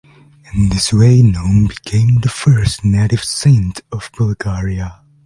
In this way Naum became the first "native" saint of Bulgaria.